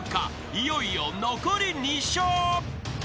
［いよいよ残り２笑］